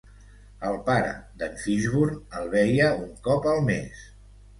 El para d'en Fishburne el veia un cop al mes.